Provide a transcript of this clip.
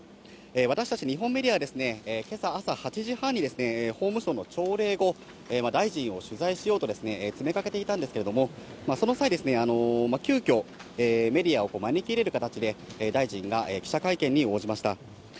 私たち日本メディアは、けさ朝８時半に、法務省の朝礼後、大臣を取材しようと詰めかけていたんですけれども、その際、急きょ、メディアを招き入れる形で、大臣が記者会見に応じました。